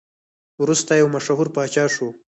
وروسته یو مشهور پاچا شو.